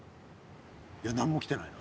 いや何もきてないな。